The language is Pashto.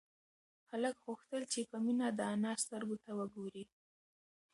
هلک غوښتل چې په مينه د انا سترگو ته وگوري.